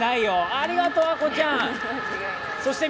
ありがとう、アコちゃん！